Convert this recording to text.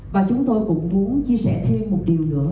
và chúng tôi cũng muốn chia sẻ thêm một điều nữa